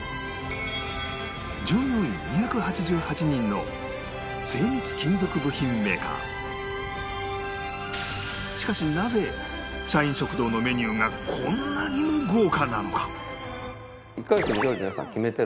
従業員２８８人のしかしなぜ社員食堂のメニューがこんなにも豪華なのか？